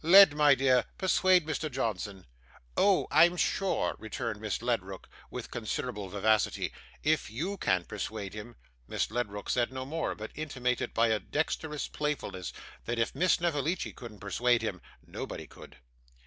Led, my dear, persuade Mr Johnson.' 'Oh, I'm sure,' returned Miss Ledrook, with considerable vivacity, 'if YOU can't persuade him ' Miss Ledrook said no more, but intimated, by a dexterous playfulness, that if Miss Snevellicci couldn't persuade him, nobody could.